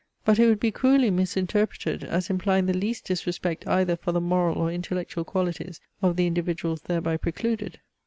But it would be cruelly misinterpreted, as implying the least disrespect either for the moral or intellectual qualities of the individuals thereby precluded.